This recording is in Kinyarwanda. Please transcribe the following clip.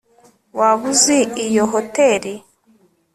waba uzi iyo hoteri